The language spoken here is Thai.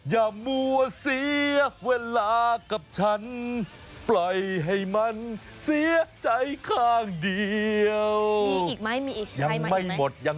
อย่ามั่วเสียเวลากับฉันปล่อยให้มันเสียใจข้างเดียว